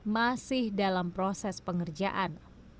masih dalam proses pengerjaan